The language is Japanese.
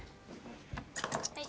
はい。